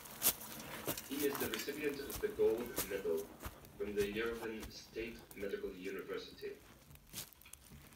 He is the recipient of the Gold Medal from the Yerevan State Medical University.